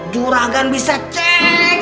juragan bisa cek